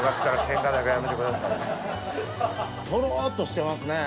トロっとしてますね。